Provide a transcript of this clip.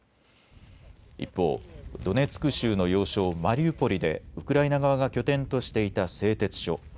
一方、ドネツク州の要衝マリウポリでウクライナ側が拠点としていた製鉄所。